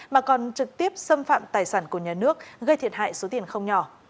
mà còn trực tiếp xâm phạm tài sản của nhà nước gây thiệt hại số tiền không nhỏ